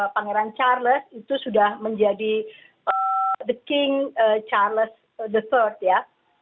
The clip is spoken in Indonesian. pangeran charles itu sudah menjadi the king charles the third ya